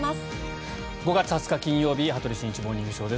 ５月２０日、金曜日「羽鳥慎一モーニングショー」。